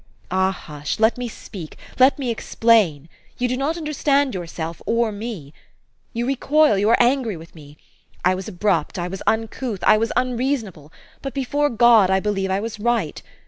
Ah, hush ! Let me speak ; let me explain. You do not understand yourself or me. You recoil ; you are angry with me. I was abrupt, I was uncouth, I was unreasonable ; but before God I believe I was right.